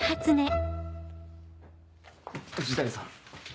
藤谷さん。